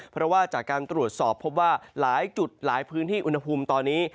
เพราะว่าจากการตรวจสอบพบว่าหลายจุดหลายพื้นที่อุณหภูมิตอนนี้